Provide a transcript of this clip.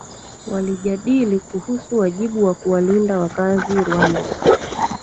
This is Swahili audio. walijadili kuhusu wajibu wa kuwalinda wakazi rwanda